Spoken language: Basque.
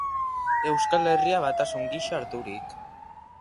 Euskal Herria batasun gisa harturik.